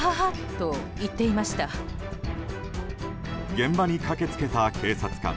現場に駆けつけた警察官。